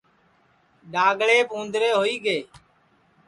ڈؔاگݪیپ اُوندرے ہوئی گے